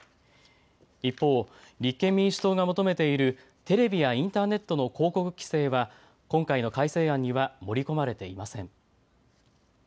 一方、立憲民主党が求めているテレビやインターネットの広告規制は今回の改正案には盛り込まれていません。